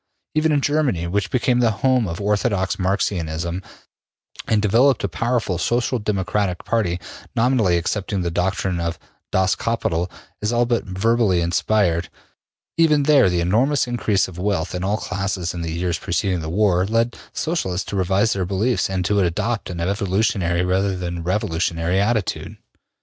Even in Germany, which became the home of orthodox Marxianism and developed a powerful Social Democratic party, nominally accepting the doctrine of ``Das Kapital'' as all but verbally inspired, even there the enormous increase of wealth in all classes in the years preceding the war led Socialists to revise their beliefs and to adopt an evolutionary rather than a revolutionary attitude.